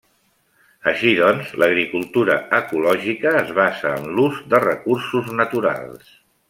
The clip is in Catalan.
Així doncs, l'agricultura ecològica es basa en l'ús de recursos naturals.